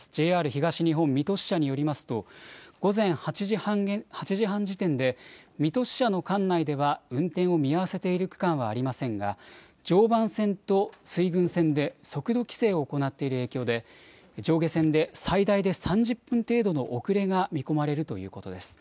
ＪＲ東日本水戸支社によりますと午前８時半時点で水戸支社の管内では運転を見合わせている区間はありませんが、常磐線と水郡線で速度規制を行っている影響で上下線で最大で３０分程度の遅れが見込まれるということです。